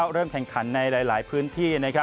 เริ่มแข่งขันในหลายพื้นที่